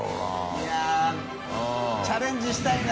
い笋チャレンジしたいね